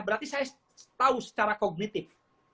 berarti saya tahu secara kognitif